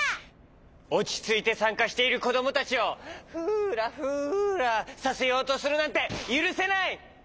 おちついてさんかしているこどもたちをフラフラさせようとするなんてゆるせない！